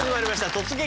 「突撃！